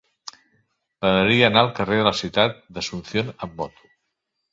M'agradaria anar al carrer de la Ciutat d'Asunción amb moto.